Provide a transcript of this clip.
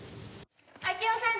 明夫さん